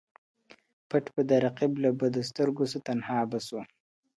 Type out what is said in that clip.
پټ به د رقیب له بدو سترګو سو تنها به سو .